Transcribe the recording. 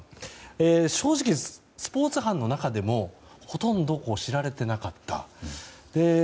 正直、スポーツ班の中でもほとんど知られていなかった。